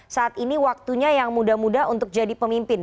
saat ini waktunya yang muda muda untuk jadi pemimpin